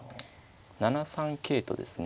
７三桂とですね